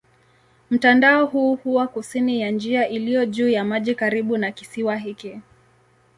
Mtandao huu huwa kusini ya njia iliyo juu ya maji karibu na kisiwa hiki.